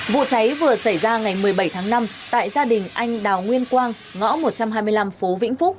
vụ cháy vừa xảy ra ngày một mươi bảy tháng năm tại gia đình anh đào nguyên quang ngõ một trăm hai mươi năm phố vĩnh phúc